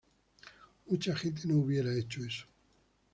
Mucha gente no hubiera hecho eso.